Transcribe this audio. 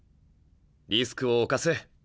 リスクを冒せ。